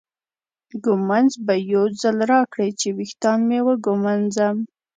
ږومنځ به یو ځل راکړې چې ویښتان مې وږمنځم.